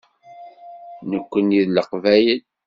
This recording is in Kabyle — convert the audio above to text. Nekkni d Leqbayel.